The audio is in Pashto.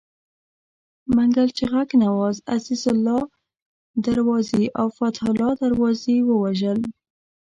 منګل غچک نواز، عزیزالله دروازي او فتح الله دروازي ووژل.